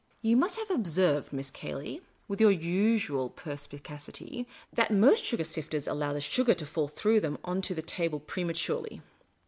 You must have observed, Miss Cayley — with your usual perspicacity — that most sugar sifters allow the sugar to fall through them on to the table prematurely.